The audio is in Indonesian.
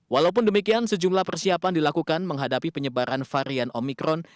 walaupun demikian sejumlah persiapan dilakukan menghadapi penyebaran varian omikron